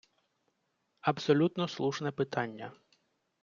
Абсолютно слушне питання.